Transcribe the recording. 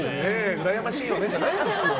うらやましいよねじゃないんですよ。